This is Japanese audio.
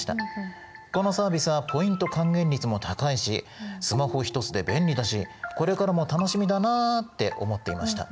このサービスはポイント還元率も高いしスマホ１つで便利だしこれからも楽しみだなって思っていました。